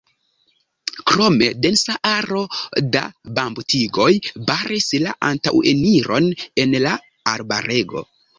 Krome densa aro da bambutigoj baris la antaŭeniron en la arbarego.